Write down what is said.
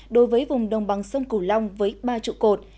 đối với vùng đồng bằng sông cửu long với ba trụ cột